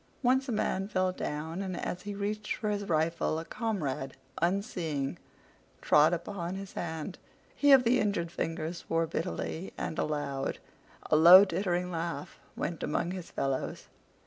Once a man fell down, and as he reached for his rifle a comrade, unseeing, trod upon his hand. He of the injured fingers swore bitterly, and aloud. A low, tittering laugh went among his fellows.